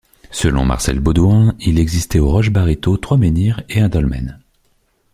Selon Marcel Baudouin, il existait aux Roches-Baritaud trois menhirs et un dolmen.